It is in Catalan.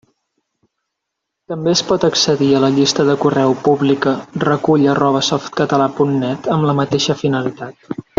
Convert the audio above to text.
També es pot accedir a la llista de correu pública recull@softcatala.net amb la mateixa finalitat.